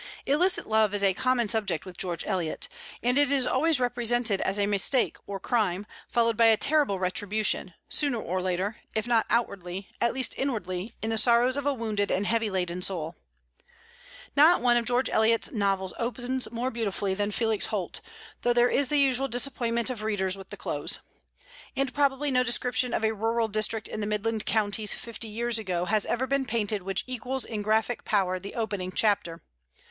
Illicit love is a common subject with George Eliot; and it is always represented as a mistake or crime, followed by a terrible retribution, sooner or later, if not outwardly, at least inwardly, in the sorrows of a wounded and heavy laden soul. No one of George Eliot's novels opens more beautifully than "Felix Holt," though there is the usual disappointment of readers with the close. And probably no description of a rural district in the Midland Counties fifty years ago has ever been painted which equals in graphic power the opening chapter.